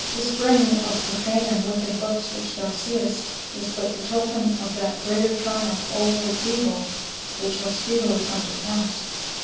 " This burning of profane and wicked books which thou seest,* is but the token of that greater triumph over evil which shall speedily come to pass.